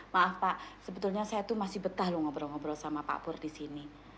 maaf pak sebetulnya saya itu masih betah ngobrol ngobrol sama pakpur di sini